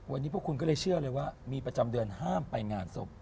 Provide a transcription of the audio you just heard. วันนี้พวกคุณก็เลยเชื่อเลยว่ามีประจำเดือนห้ามไปงานศพ